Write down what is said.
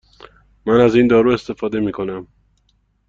من از این دارو استفاده می کنم.